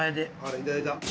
いただいた。